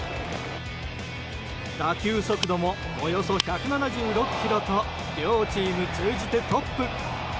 打球速度もおよそ１７６キロと両チーム通じてトップ。